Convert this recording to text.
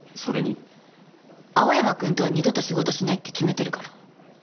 青山くんとは二度と仕事しないって決めてるから。